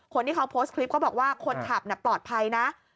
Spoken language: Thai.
คนที่เขาโพสต์คลิปก็บอกว่าคนขับปลอดภัยนะ